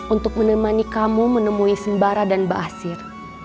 untuk menemani kamu menemui sembara dan basir